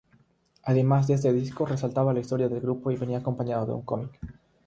Además este disco relataba la historia del grupo y venía acompañado de un cómic.